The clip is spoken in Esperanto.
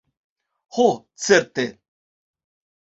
Ho, certe!